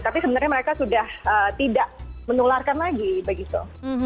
tapi sebenarnya mereka sudah tidak menularkan lagi begitu